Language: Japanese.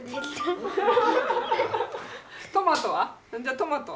トマトは？